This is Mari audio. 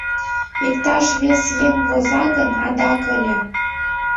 Иктаж вес еҥ воза гын, адак ыле.